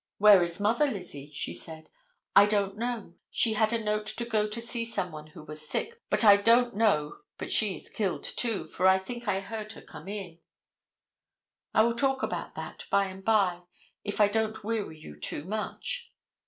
"Where is mother, Lizzie?" She said: "I don't know. She had a note to go to see some one who was sick, but I don't know but she is killed, too, for I think I heard her come in." I will talk about that by and by, if I don't weary you too much.